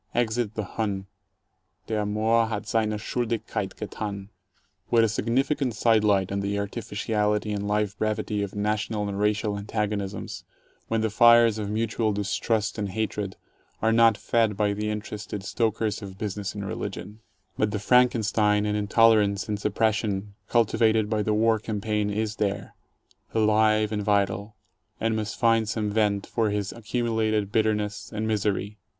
Exit the Hun — der Moor hat seine Schuldigkeit gethan. What a significant side light on the artificiality and life brevity of national and racial antagonisms, when the fires of mutual distrust and hatred are not fed by the interested stokers of business and religion! But the Franken stein and intolerance and suppression cultivated by the war cam paign is there, alive and vital, and must find some vent for his accumulated bitterness and misery.